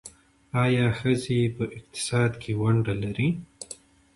آیا ښځې په اقتصاد کې ونډه لري؟